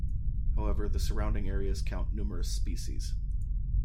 However, the surrounding areas count numerous species.